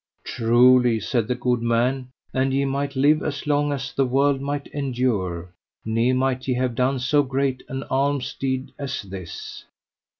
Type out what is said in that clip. Truly, said the good man, an ye might live as long as the world might endure, ne might ye have done so great an alms deed as this.